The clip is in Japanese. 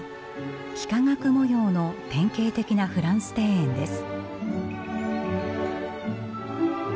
幾何学模様の典型的なフランス庭園です。